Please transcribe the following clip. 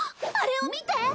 あれを見て！